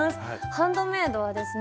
ハンドメイドはですね